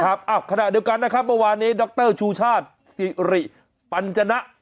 ครับอ้าวขณะเดียวกันนะครับประวัตินี้ดรชูชาติสิริปัญจณะ